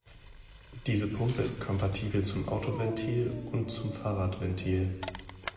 Diese Pumpe ist kompatibel zum Autoventil und zum Fahrradventil.